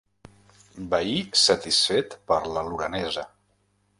Veí satisfet per la lorenesa.